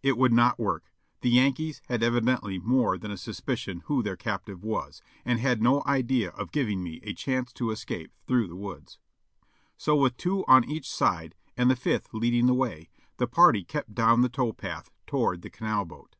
It would not work, the Yankees had evidently more than a suspicion who their captive was, and had no idea of giving me a chance to escape through the woods : so with two on each side and the fifth leading the way, the party kept down the tow path toward the canal boat.